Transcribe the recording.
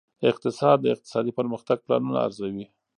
اقتصاد د اقتصادي پرمختګ پلانونه ارزوي.